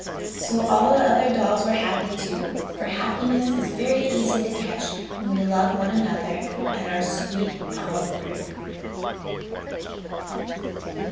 So all the other dolls were happy, too, for happiness is very easy to catch when we love one another and are sweet all through.